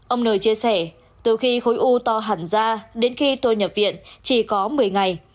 ông nời chia sẻ từ khi khối u to hẳn ra đến khi tôi nhập viện chỉ có một mươi ngày